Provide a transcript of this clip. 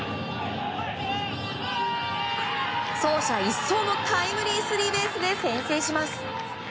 走者一掃のタイムリースリーベースで先制します。